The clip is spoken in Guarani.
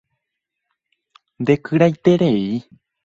Ndekyraiterei.